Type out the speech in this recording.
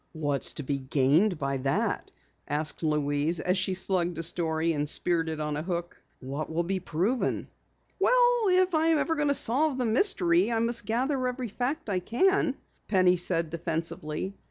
"What's to be gained by it?" asked Louise as she slugged a story and speared it on a hook. "What will be proven?" "Well, if I'm ever going to solve the mystery I must gather every fact I can," Penny said defensively.